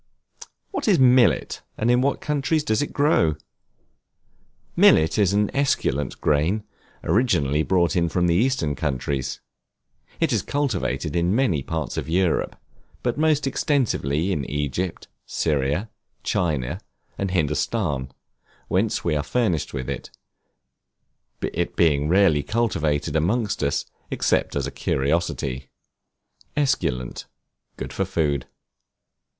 What is Millet, and in what countries does it grow? Millet is an esculent grain, originally brought from the Eastern countries. It is cultivated in many parts of Europe, but most extensively in Egypt, Syria, China, and Hindostan, whence we are furnished with it, it being rarely cultivated among us, except as a curiosity. Esculent, good for food.